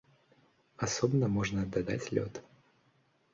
Асобна можна дадаць лёд.